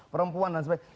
perempuan dan sebagainya